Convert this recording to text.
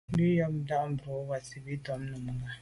Bú nâ' yɑ́p tà' mbrò wàsìbìtǎ Nùnga.